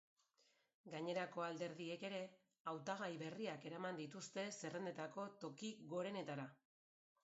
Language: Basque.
Gainerako alderdiek ere, hautagai berriak eraman dituzte zerrendetako toki gorenetara.